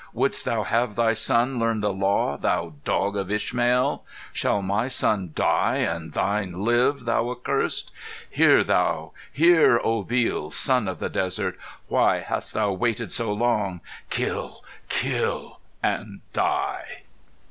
Wouldst thou have thy son learn the Law, thou dog of Ishmael? Shall my son die and thine live, thou Accursed? Hear thou, hear, Obil, Son of the Desert! Why hast thou waited so long? Kill, kill, and die!"